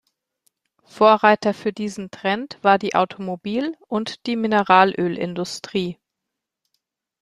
Vorreiter für diesen Trend war die Automobil- und die Mineralölindustrie.